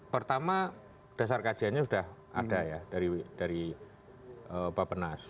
pertama dasar kajiannya sudah ada ya dari bapak penas